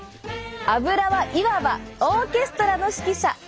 アブラはいわばオーケストラの指揮者！